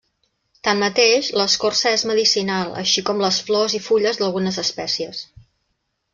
Tanmateix, l'escorça és medicinal així com les flors i fulles d'algunes espècies.